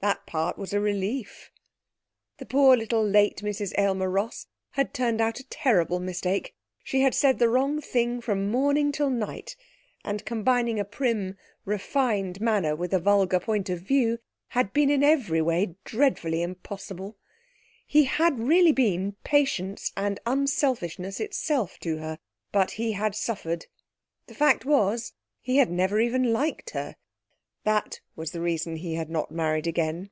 That part, was a relief. The poor little late Mrs Aylmer Ross had turned out a terrible mistake. She had said the wrong thing from morning till night, and, combining a prim, refined manner with a vulgar point of view, had been in every way dreadfully impossible. He had really been patience and unselfishness itself to her, but he had suffered. The fact was, he had never even liked her. That was the reason he had not married again.